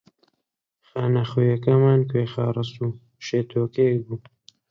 خانەخوێکەمان کوێخا ڕەسوو شێتۆکەیەک بوو